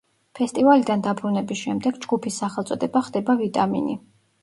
ფესტივალიდან დაბრუნების შემდეგ ჯგუფის სახელწოდება ხდება „ვიტამინი“.